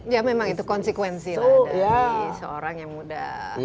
ya memang itu konsekuensi lah dari seorang yang muda